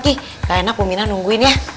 udah gigi gak enak umiina nungguin ya